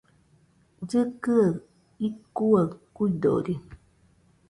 Llɨkɨaɨ icuaɨ kuidori